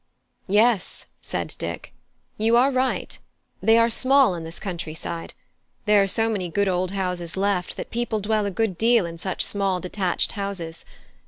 "Yes," said Dick, "you are right, they are small in this country side: there are so many good old houses left, that people dwell a good deal in such small detached houses.